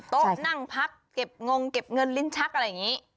โต๊ะนั่งพักเก็บงงเก็บเงินลิ้นชักอะไรอย่างนี้